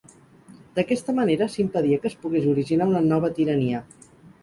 D'aquesta manera s'impedia que es pogués originar una nova tirania.